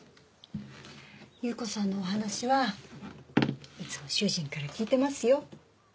優子さんのお話はいつも主人から聞いてますよ。